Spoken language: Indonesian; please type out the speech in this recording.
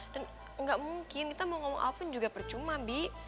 dan enggak mungkin kita mau ngomong apapun juga percuma bi